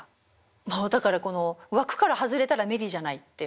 もうだからこの枠から外れたらメリーじゃないっていう。